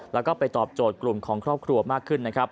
แล้วก็ไปตอบโจทย์กลุ่มของครอบครัวมากขึ้นนะครับ